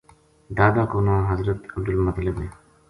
دادا کو ناں حضرت عبدالمطلب ہے۔